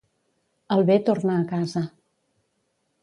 El bé torna a casa.